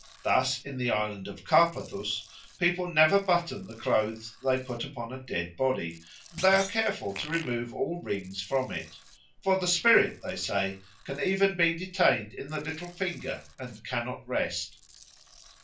Thus in the island of Carpathus people never button the clothes they put upon a dead body and they are careful to remove all rings from it; "for the spirit, they say, can even be detained in the little finger, and cannot rest."